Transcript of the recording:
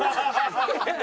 ハハハハ！